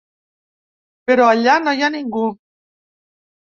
Però allà no hi ha ningú.